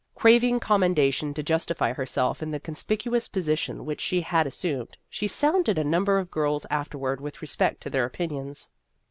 Craving commendation to justify herself in the conspicuous position which she had assumed, she sounded a number of girls afterward with respect to their opinions.